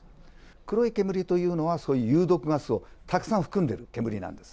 黒い煙というのは、そういう有毒ガスをたくさん含んでいる煙なんです。